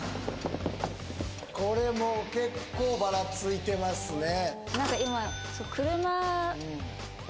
これもう結構ばらついてますね